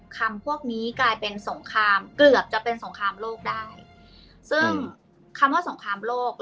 พวกนี้กลายเป็นสงครามเกือบจะเป็นสงครามโลกได้ซึ่งคำว่าสงครามโลก